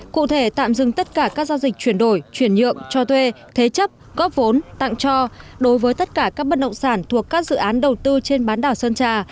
cụ thể tạm dừng tất cả các giao dịch chuyển đổi chuyển nhượng cho thuê thế chấp góp vốn tặng cho đối với tất cả các bất động sản thuộc các dự án đầu tư trên bán đảo sơn trà